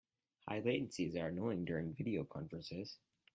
High latencies are annoying during video conferences.